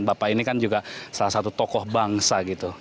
bapak ini kan juga salah satu tokoh bangsa gitu